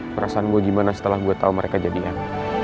perasaan gue gimana setelah gue tau mereka jadian